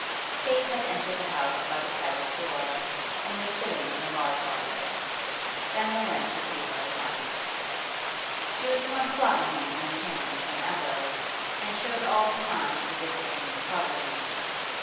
Kate had entered the house by the private door, and was sitting in the bar parlour. Daniel went to her at once. She was more slovenly in appearance than ever, and showed all the signs of extreme poverty.